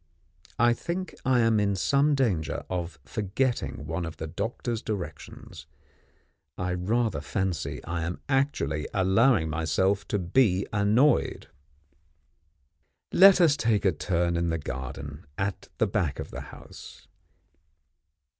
I think I am in some danger of forgetting one of the doctor's directions; I rather fancy I am actually allowing myself to be annoyed. Let us take a turn in the garden, at the back of the house.